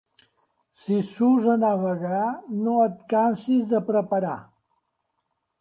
Si surts a navegar, no et cansis de preparar.